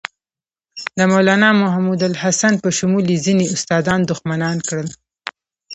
د مولنا محمودالحسن په شمول یې ځینې استادان دښمنان کړل.